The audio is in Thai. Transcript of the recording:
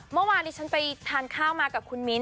เมื่อวานนี้ฉันไปทานข้าวมากับคุณมิ้นท